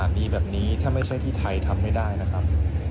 ดีแบบนี้ถ้าไม่ใช่ที่ไทยทำไม่ได้นะครับ